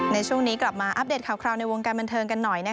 ในช่วงนี้กลับมาอัปเดตข่าวในวงการบันเทิงกันหน่อย